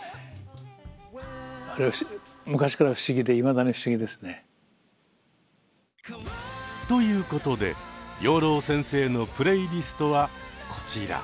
あれ昔から不思議でいまだに不思議ですね。ということで養老先生のプレイリストはこちら。